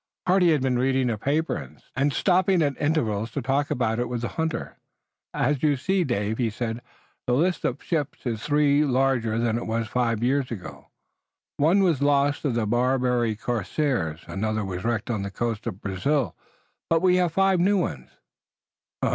Hardy had been reading a paper, and stopping at intervals to talk about it with the hunter. "As you see, David," he said, "the list of the ships is three larger than it was five years ago. One was lost to the Barbary corsairs, another was wrecked on the coast of the Brazils, but we have five new ones."